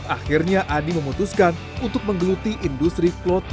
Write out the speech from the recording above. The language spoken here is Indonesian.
akhirnya adi memutuskan untuk menggeluti industri clothing line